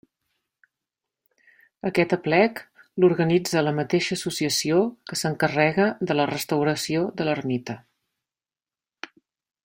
Aquest aplec l'organitza la mateixa associació que s'encarrega de la restauració de l'ermita.